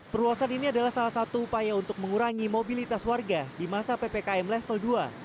perluasan ini adalah salah satu upaya untuk mengurangi mobilitas warga di masa ppkm level dua